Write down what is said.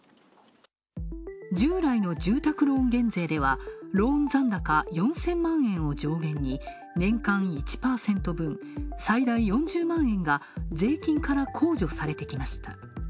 従来の住宅ローン減税ではローン残高４０００万円を上限に年間１％分、最大４０万円が税金から控除されてきました。